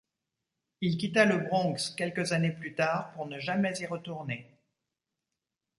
Il quitta le Bronx quelques années plus tard pour ne jamais y retourner.